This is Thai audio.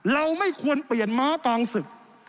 เราไม่ควรเปลี่ยนม้ากลางศึก